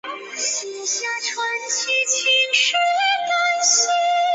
没有我的允许你敢随便跟别人走？！